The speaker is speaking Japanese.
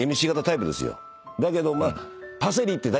だけど。